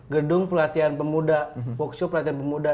gedung pelatihan pemuda workshop pelatihan pemuda